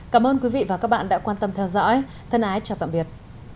cảm ơn quý vị và các bạn đã quan tâm theo dõi thân ái chào tạm biệt